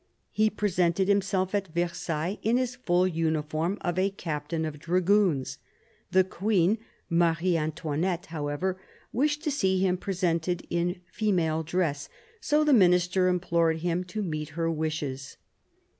He presented himself at Versailles in his full uniform of a captain of dragoons. The Queen (Marie Antoinette) however, wished to see him presented in female dress; so the Minister implored him to meet her wishes.